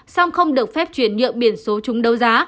song không được phép chuyển nhượng biển số chúng đấu giá